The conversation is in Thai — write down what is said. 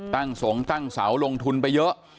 ตั้งสงตั้งเสาลงทุนไปเยอะ